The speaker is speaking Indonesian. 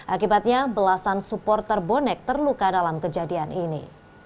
akibatnya belasan supporter bonek terluka dalam kejadian ini